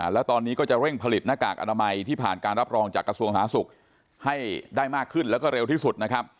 และตอนนี้ก็จะเร่งผลิตหน้ากากอนามัยที่ผ่านการรับรองจากกระทรวงศาสตร์ศุกร์ให้ได้มากขึ้นและเร็วที่สุด